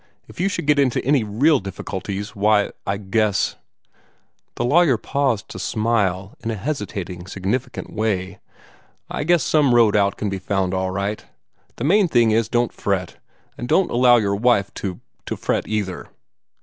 If you should get into any real difficulties, why, I guess " the lawyer paused to smile in a hesitating, significant way "I guess some road out can be found all right. The main thing is, don't fret, and don't allow your wife to to fret either."